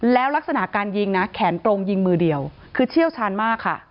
แล้วลักษณะการยิงนะแขนตรงยิงมือเดียวคือเชี่ยวชาญมากค่ะ